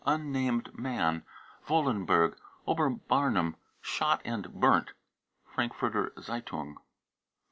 unnamed man, Wollenberg, Oberbarnim, shot and burnt. (Frankfurter Zeitung.)